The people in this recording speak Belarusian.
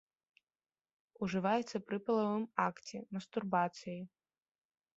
Ужываецца пры палавым акце, мастурбацыі.